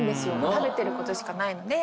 食べてることしかないので。